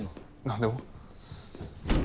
何でも。